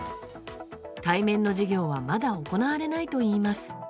対面の授業はまだ行われないといいます。